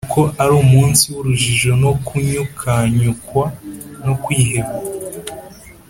Kuko ari umunsi w’urujijo no kunyukanyukwa no kwiheba